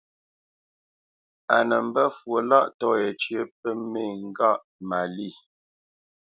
A nə́ mbə́ fwo lâʼtɔ̂ yécyə pə́ mê ngâʼ Malî.